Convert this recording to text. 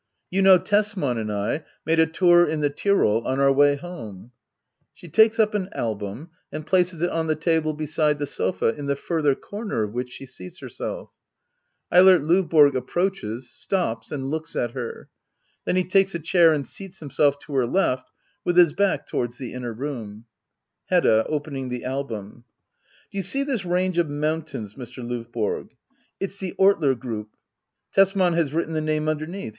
You know Tesman and I made a tour in the Tyrol on our way home ? [She takes up an album, and places it on the table beside the sofa, in the further comer of which she seats herself Eilert L&YBORO approaches, stops, aud looks at her. Then he takes a chair and seeds him self to her left, with his back towards the inner room. Hedda. [Opening the album."] Do you see this range of mountains^ Mr. Lovborg ? It's the Ortler group. Tesman has written the name underneath.